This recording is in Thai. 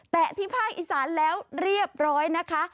ที่ภาคอีสานแล้วเรียบร้อยนะคะ